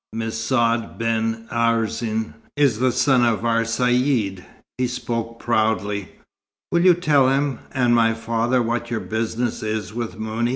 "Messaud ben Arzen is the son of our Caïd," (he spoke proudly). "Will you tell him and my father what your business is with Mouni?"